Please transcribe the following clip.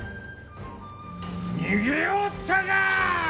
逃げおったか！